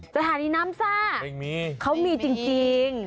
สถานีน้ำซ่าเขามีจริง